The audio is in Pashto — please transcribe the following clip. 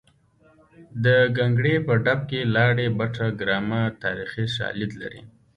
د ګانګړې په ډب کې لاړې بټه ګرامه تاریخي شالید لري